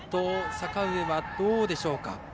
阪上、どうでしょうか。